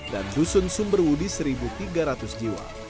dan dusun sumberwudi satu tiga ratus jiwa